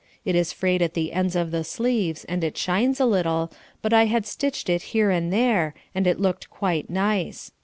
It is frayed at the ends of the sleeves and it shines a little, but I had stitched it here and there and it looked quite nice.